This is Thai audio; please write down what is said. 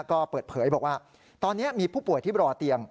ก็เปิดเผยบอกว่าตอนนี้มีผู้ป่วยที่รอเตียง